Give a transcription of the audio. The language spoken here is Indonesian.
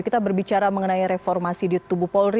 kita berbicara mengenai reformasi di tubuh polri